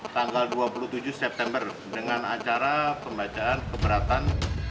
tanggal dua puluh tujuh september dengan acara pembacaan keberatan